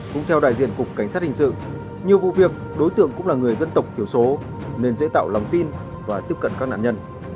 cũng theo đại diện cục cảnh sát hình sự nhiều vụ việc đối tượng cũng là người dân tộc thiểu số nên dễ tạo lòng tin và tiếp cận các nạn nhân